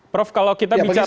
prof kalau kita bicara